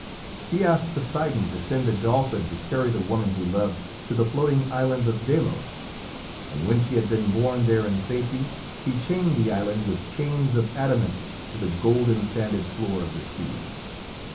He asked Poseidon to send a dolphin to carry the woman he loved to the floating island of Delos, and when she had been borne there in safety, he chained the island with chains of adamant to the golden sanded floor of the sea.